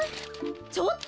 ちょっと！